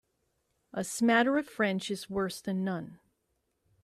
A smatter of French is worse than none.